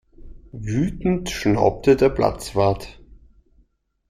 Wütend schnaubte der Platzwart.